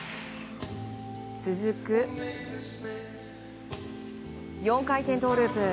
続く４回転トウループ。